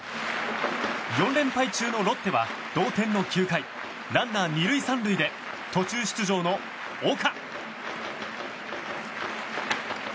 ４連敗中のロッテは同点の９回ランナー２塁３塁で途中出場の岡。